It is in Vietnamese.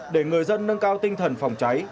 để người dân nâng cao tinh thần phòng cháy